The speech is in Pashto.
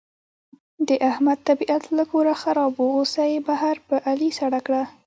د احمد طبیعت له کوره خراب و، غوسه یې بهر په علي سړه کړه.